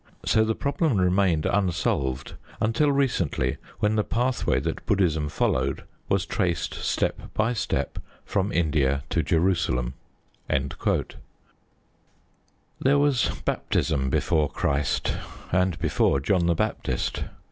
So the problem remained unsolved until recently, when the pathway that Buddhism followed was traced step by step from India to Jerusalem. There was baptism before Christ, and before John the Baptist.